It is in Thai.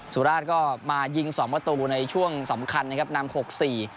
สุราชก็มายิงสองประตูในช่วงสำคัญนะครับนำหกสี่